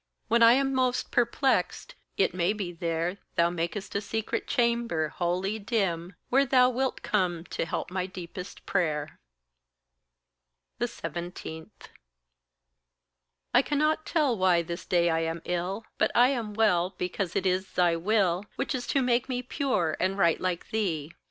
Where I am most perplexed, it may be there Thou mak'st a secret chamber, holy dim, Where thou wilt come to help my deepest prayer. 17. I cannot tell why this day I am ill; But I am well because it is thy will Which is to make me pure and right like thee.